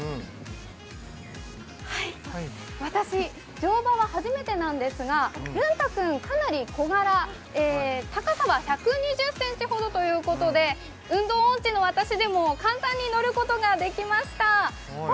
私、乗馬は初めてなんですがルンタ君、かなり小柄、高さは１２０ｃｍほどということで運動音痴の私でも簡単に乗ることができました。